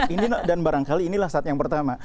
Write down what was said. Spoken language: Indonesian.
ini dan barangkali inilah saat yang pertama